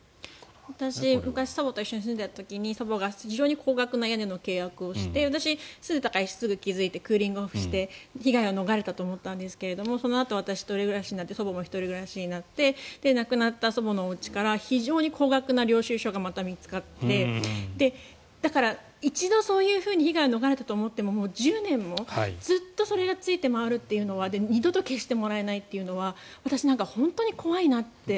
私、昔祖母と一緒に住んでいた時に祖母が非常に高額な屋根の契約をして私、住んでいたからすぐに気付いてクーリングオフして被害を免れたと思うんですけどそのあと、私１人暮らしになって祖母も１人暮らしになって亡くなった祖母の家から非常に高額な領収書がまた見つかってだから、一度そういうふうに被害を逃れたと思っても１０年もずっとそれがついてまわるって二度と消してもらえないっていうのは本当に怖いなって。